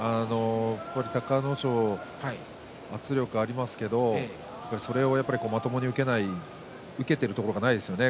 隆の勝は圧力ありますけどそれをまともに受けない、受けているところがないですよね。